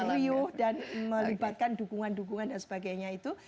meluyuh dan melibatkan dukungan dukungan dan sebagainya itu